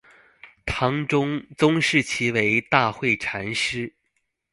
唐中宗谥其为大惠禅师。